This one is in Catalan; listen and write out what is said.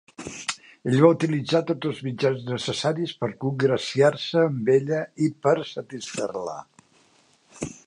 Ell va utilitzar tots els mitjans necessaris per congraciar-se amb ella i per satisfer-la.